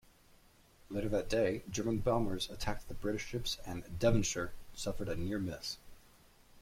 Later that day, German bombers attacked the British ships and "Devonshire" suffered a near-miss.